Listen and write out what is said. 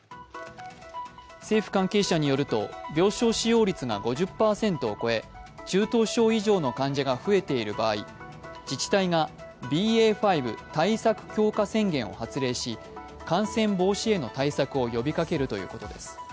政府関係者によると、病床使用率が５０％を超え中等症以上の患者が増えている場合、自治体がＢＡ．５対策強化宣言を発令し感染防止への対策を呼びかけるということです。